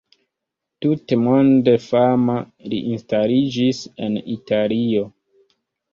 Tutmonde fama, li instaliĝis en Italio.